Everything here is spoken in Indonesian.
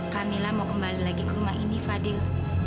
kamilah mau kembali lagi ke rumah ini fadil